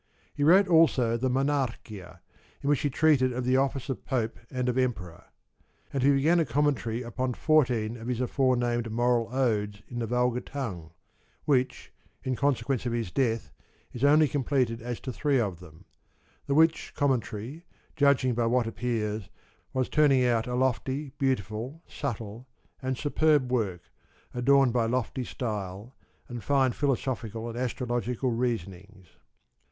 He wrote also the Monarchia, in which he treated of the office of Pope and of Emperor. [And he began a Commentary upon fourteen of his afore named moral Odes in the vulgar tongue which, in consequence of his death, is only completed as to three of them ; the which com mentary, judging by what appears, was turning out a lofty, beautiful, subtle, and superb work, adorned by lofty style and fine philosophical and astrological reasonings.